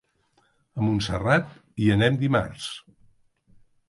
A Montserrat hi anem dimarts.